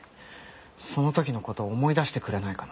その時の事思い出してくれないかな。